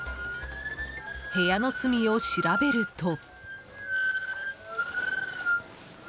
部屋の隅を調べると。